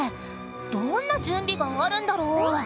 どんな準備があるんだろう？